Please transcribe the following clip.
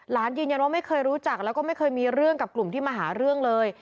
ยืนยันว่าไม่เคยรู้จักแล้วก็ไม่เคยมีเรื่องกับกลุ่มที่มาหาเรื่องเลย